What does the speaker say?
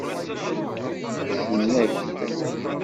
Kksen-ak-t.